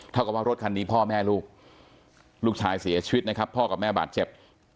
กับว่ารถคันนี้พ่อแม่ลูกลูกชายเสียชีวิตนะครับพ่อกับแม่บาดเจ็บ